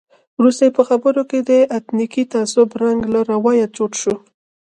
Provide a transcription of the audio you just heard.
وروسته یې په خبرو کې د اتنیکي تعصب رنګ له ورایه جوت شو.